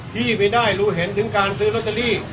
ที่ไม่ได้รู้เห็นถึงการซื้อรถ